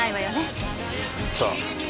さあ？